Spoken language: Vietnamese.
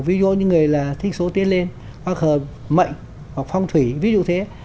ví dụ như người là thích số tiết lên hoặc hợp mệnh hoặc phong thủy ví dụ thế